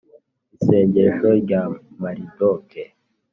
isengesho rya maridoke